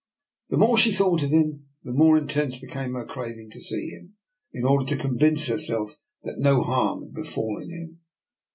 The more she thought of him the more intense became her craving to see him, in order to convince herself that no harm had befallen him.